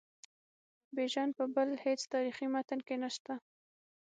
بیژن په بل هیڅ تاریخي متن کې نسته.